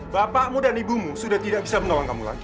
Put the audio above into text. bapakmu dan ibumu sudah tidak bisa menolong kamu lagi